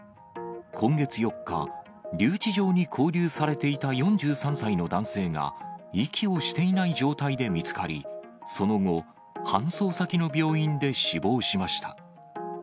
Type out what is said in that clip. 今月４日、留置場に勾留されていた４３歳の男性が、息をしていない状態で見つかり、その後、搬送先の病院で死亡しました。